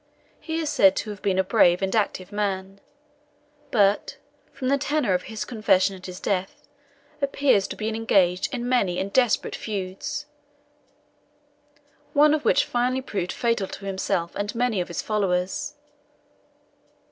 He is said to have been a brave and active man; but, from the tenor of his confession at his death, appears to have been engaged in many and desperate feuds, one of which finally proved fatal to himself and many of his followers.